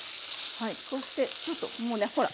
こうしてちょっともうねほら